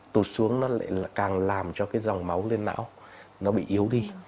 tụt xuống nó lại càng làm cho cái dòng máu lên não nó bị yếu đi